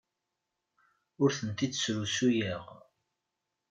Ur ten-id-srusuyeɣ.